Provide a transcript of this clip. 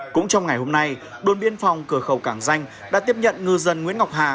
cũng trong ngày hôm nay đồn biên phòng cửa khẩu cảng danh đã tiếp nhận ngư dân nguyễn ngọc hà